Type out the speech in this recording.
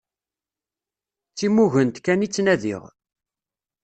D timugent kan i ttnadiɣ.